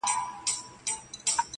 هم یې خزان هم یې بهار ښکلی دی!.